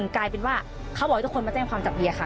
กลายเป็นว่าเขาบอกให้ทุกคนมาแจ้งความจับเบียร์ค่ะ